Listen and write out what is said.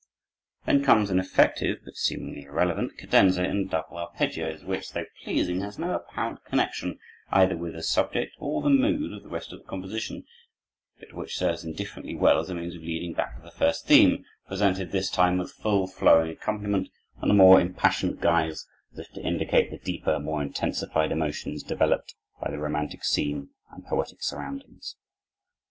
Then comes an effective, but seemingly irrelevant, cadenza in double arpeggios which, though pleasing, has no apparent connection either with the subject or the mood of the rest of the composition, but which serves indifferently well as a means of leading back to the first theme, presented this time with full, flowing accompaniment in a more impassioned guise, as if to indicate the deeper, more intensified emotions developed by the romantic scene and poetic surroundings.